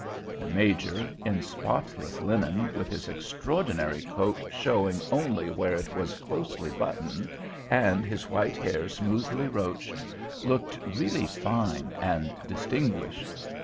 The Major, in spotless linen, with his extraordinary coat showing only where it was closely buttoned, and his white hair smoothly roached, looked really fine and distinguished.